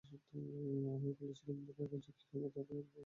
আমি বলেছিলাম না কাগজের কী ক্ষমতা, যে তোমার থেকে তোমার বাবা ছিনিয়ে নিবে।